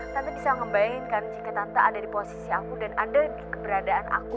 tante bisa ngembayangkan jika tante ada di posisi aku dan ada di keberadaan aku